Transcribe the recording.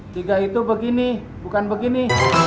tiga itu begini bukan begini